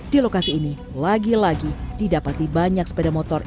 di lokasi ini lagi lagi didapati banyak sepeda motor